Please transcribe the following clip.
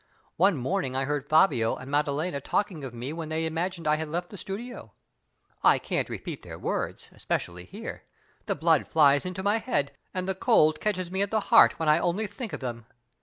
One morning I heard Fabio and Maddalena talking of me when they imagined I had left the studio. I can't repeat their words, especially here. The blood flies into my head, and the cold catches me at the heart, when I only think of them.